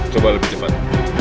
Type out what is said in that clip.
coba lebih cepat